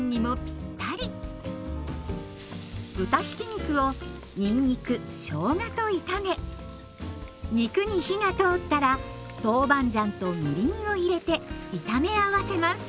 豚ひき肉をにんにくしょうがと炒め肉に火が通ったら豆板醤とみりんを入れて炒め合わせます。